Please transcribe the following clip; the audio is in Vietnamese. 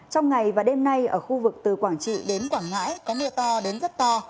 trong ngày và đêm nay ở khu vực từ quảng trị đến quảng ngãi có mưa to đến rất to